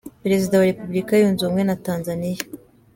Perezida wa Repubulika Yunze Ubumwe ya Tanzania.